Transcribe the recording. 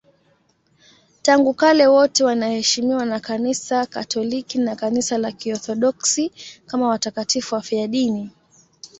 Tangu kale wote wanaheshimiwa na Kanisa Katoliki na Kanisa la Kiorthodoksi kama watakatifu wafiadini.